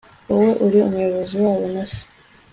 wowe uri umuyobozi wabo na se